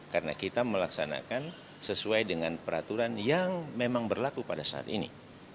karena kita melaksanakan sesuai dengan peraturan yang memang berlaku pada saat ini